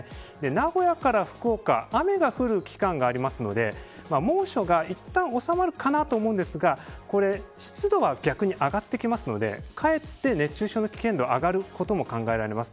名古屋から福岡雨が降る期間があるので猛暑がいったん収まるかなと思うんですがこれ、湿度は逆に上がってきますのでかえって熱中症の危険度が上がることも考えられます。